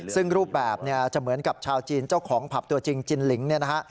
ซึ่งรูปแบบเนี่ยจะเหมือนกับชาวจีนเจ้าของผับตัวจริงจินลิงเนี่ยนะฮะ